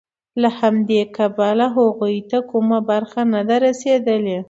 له همدې کبله هغوی ته کومه برخه نه ده رسېدلې